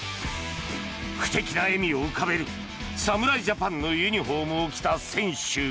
不敵な笑みを浮かべる侍ジャパンのユニホームを着た選手。